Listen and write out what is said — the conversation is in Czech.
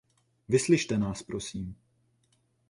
Vyslyšte nás prosím.